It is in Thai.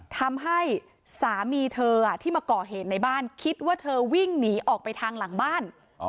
ทำให้สามีเธอที่มาก่อเหตุในบ้านคิดว่าเธอวิ่งหนีออกไปทางหลังบ้าน